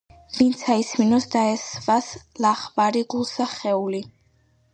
ვინცა ისმინოს, დაესვას ლახვარი გულსა ხეული.